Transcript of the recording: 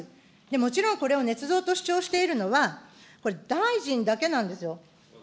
もちろんこれをねつ造と主張しているのは大臣だけなんですよ。